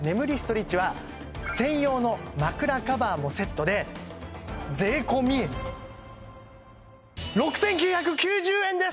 リッチは専用の枕カバーもセットで税込６９９０円です！